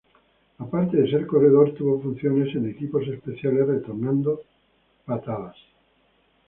Aparte de ser corredor tuvo funciones en equipos especiales retornando patadas.